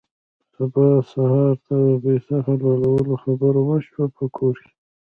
سبا سهار ته د پسه د حلالولو خبره وشوه په کور کې.